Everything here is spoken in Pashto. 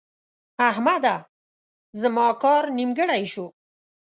احمده! زما کار نیمګړی شو.